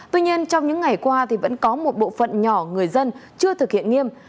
tuy nhiên trong những ngày qua vẫn có một bộ phận nhỏ người dân chưa thực hiện nghiêm